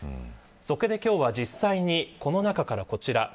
そこで今日は実際にこの中からこちら。